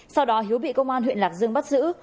sau đó hiếu bị công an huyện lạc dương bắt giữ